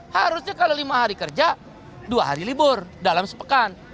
harusnya kalau lima hari kerja dua hari libur dalam sepekan